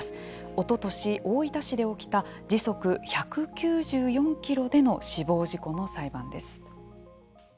おととし大分市で起きた時速１９４キロでの死亡事故の裁判です。